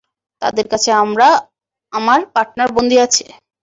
তাদের কাছে আমার পার্টনার বন্দী আছে।